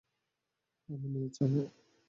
আমি নিয়ে যাবো।